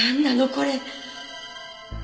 これ！